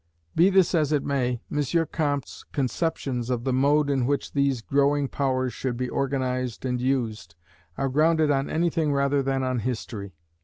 Be this as it may, M. Comte's conceptions of the mode in which these growing powers should be organized and used, are grounded on anything rather than on history.